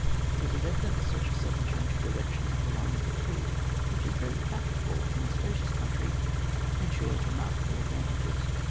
It is evident that such a sudden change of direction of a line of retreat, which is very practicable in a spacious country, ensures remarkable advantages.